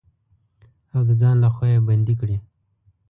او د ځان لخوا يې بندې کړي.